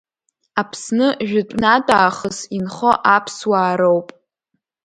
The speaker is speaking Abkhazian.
Аԥсны жәытәнатә аахыс инхо аԥсуаа роуп.